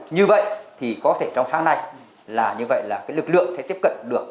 như vậy thì có thể trong sáng nay là như vậy là cái lực lượng sẽ tiếp cận được